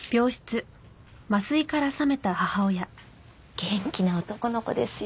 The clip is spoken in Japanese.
元気な男の子ですよ。